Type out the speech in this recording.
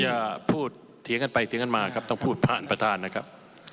จะพูดเถียงกันไปเถียงกันมาครับต้องพูดผ่านประธานนะครับ